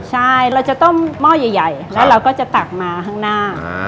ใช่เราจะต้มหม้อใหญ่แล้วเราก็จะตักมาข้างหน้า